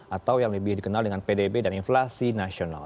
atau yang lebih dikenal dengan pdb dan inflasi nasional